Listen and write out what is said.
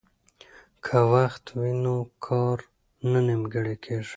که وخت وي نو کار نه نیمګړی کیږي.